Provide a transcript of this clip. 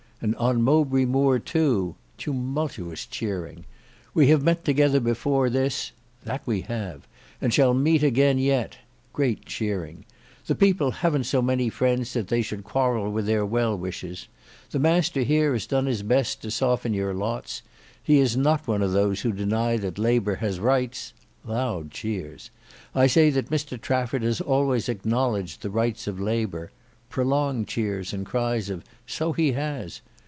and on Mowbray Moor too (tumultous cheering). We have met together before this ("That we have"), and shall meet again yet (great cheering). The people haven't so many friends that they should quarrel with well wishers. The master here has done his best to soften your lots. He is not one of those who deny that Labour has rights (loud cheers). I say that Mr Trafford has always acknowledged the rights of Labour (prolonged cheers and cries of "So he has").